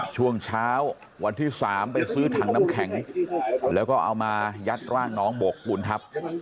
ช่วงเช้าวันที่๓ไปซื้อถังน้ำแข็งแล้วก็เอามายัดร่างน้องบกบุญทัพ